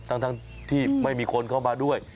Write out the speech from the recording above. ทั้งที่ไม่มีคนเข้ามาด้วย